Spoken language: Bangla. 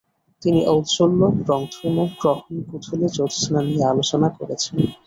তিনি ঔজ্জ্বল্য, রংধনু, গ্রহণ, গোধুলি, জ্যোৎস্না নিয়ে আলোচনা করেছেন।